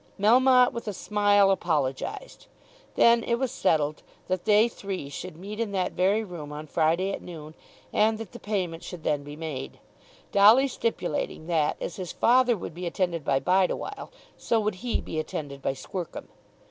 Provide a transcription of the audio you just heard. Melmotte with a smile apologized. Then it was settled that they three should meet in that very room on Friday at noon, and that the payment should then be made, Dolly stipulating that as his father would be attended by Bideawhile, so would he be attended by Squercum.